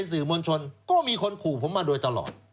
อยู่บนชนก็มีคนขูลผมมาโดยตลอด